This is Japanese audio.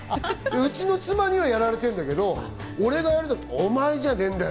うちの妻にはやられてんだけど、俺がやるとお前じゃねえんだよ！